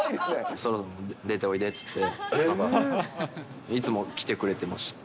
出ておいでって、いつも来てくれてました。